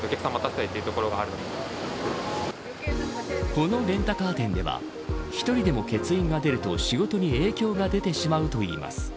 このレンタカー店では１人でも欠員が出ると仕事で影響が出てしまうといいます。